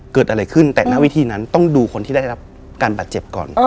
เกิดอะไรขึ้นแต่หน้าวิธีนั้นต้องดูคนที่ได้รับการบาดเจ็บก่อน